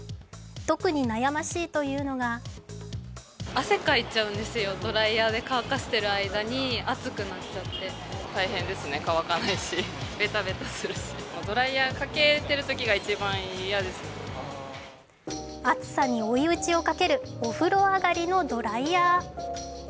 特に悩ましいというのが暑さに追い打ちをかけるお風呂上がりのドライヤー。